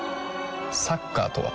サッカーとは？